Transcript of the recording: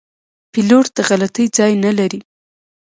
پیلوټ د غلطي ځای نه لري.